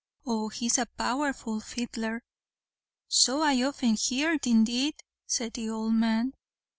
Oh he's a powerful fiddler." "So I often heerd, indeed," said the old man.